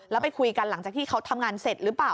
แล้วไปคุยกันหลังจากที่เขาทำงานเสร็จหรือเปล่า